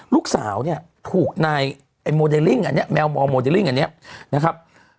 ลูกสาวเนี่ยถูกนายแมวมอลโมเดลลิ่งอันเนี่ยนะครับ